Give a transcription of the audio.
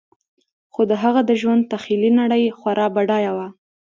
خو د هغه د ژوند تخیلي نړۍ خورا بډایه وه